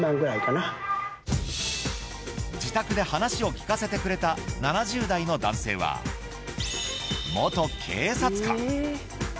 自宅で話を聞かせてくれた７０代の男性は元警察官。